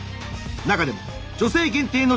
中でも女性限定の超高級